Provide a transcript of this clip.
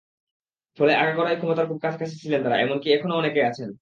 ফলে আগাগোড়াই ক্ষমতার খুব কাছাকাছি ছিলেন তাঁরা, এমনকি এখনো অনেকে আছেন।